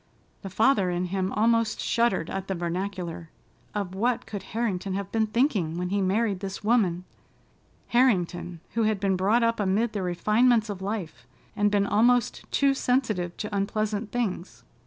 The father in him almost shuddered at the vernacular. Of what could Harrington have been thinking when he married this woman—Harrington, who had been brought up amid the refinements of life, and been almost too sensitive to unpleasant things?